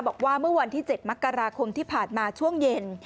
บอกว่าเมื่อวันที่๗มกราคมที่ผ่านมาช่วงเย็น